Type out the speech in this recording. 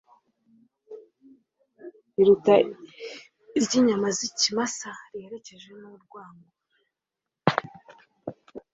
riruta iry’inyama z’ikimasa riherekejwe n’urwango